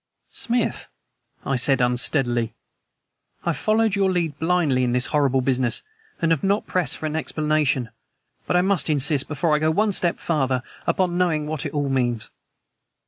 "Smith," I said unsteadily, "I have followed your lead blindly in this horrible business and have not pressed for an explanation, but I must insist before I go one step farther upon knowing what it all means."